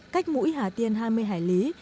cách mũi hà tiên hai mươi hải lý